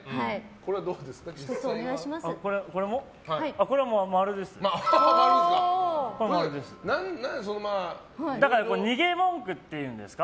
これはどうですか？